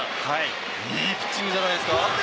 ピッチングじゃないですか。